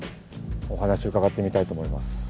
お話伺ってみたいと思います。